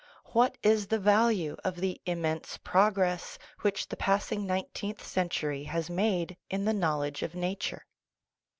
What is the value of the immense progress which the passing nine teenth century has made in the knowledge of nature?